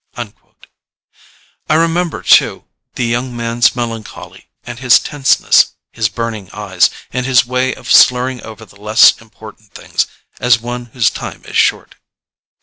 I remembered, too, the young man's melancholy and his tenseness, his burning eyes, and his way of slurring over the less important things, as one whose time is short.